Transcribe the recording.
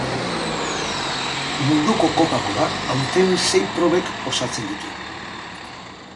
Munduko kopako aurten sei probek osatzen dute.